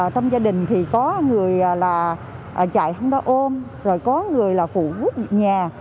trong gia đình thì có người là chạy không ra ôm rồi có người là phụ quốc nhà